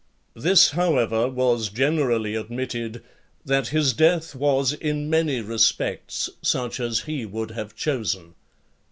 (55) LXXXVII. This, however, was generally admitted, that his death was in many respects such as he would have chosen.